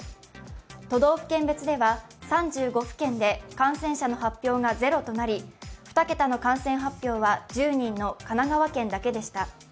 都道府県別では３５府県で感染者の発表がゼロとなり、２桁の感染発表は１０人の神奈川県だけでした。